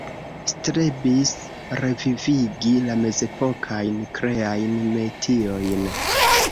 Strebis revivigi la mezepokajn kreajn metiojn.